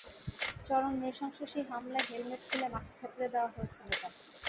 চরম নৃশংস সেই হামলায় হেলমেট খুলে মাথা থেঁতলে দেওয়া হয়েছিল তাঁর।